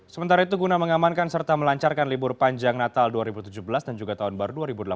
sementara itu guna mengamankan serta melancarkan libur panjang natal dua ribu tujuh belas dan juga tahun baru dua ribu delapan belas